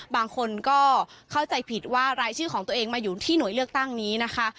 บางคนก็เข้าใจผิดว่ารายชื่อของตัวเองมาอยู่ที่หน่วยเลือกตั้งนี้นะคะ